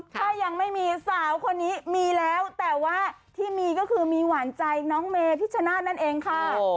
ถ้ายังไม่มีสาวคนนี้มีแล้วแต่ว่าที่มีก็คือมีหวานใจน้องเมพิชชนาธินั่นเองค่ะ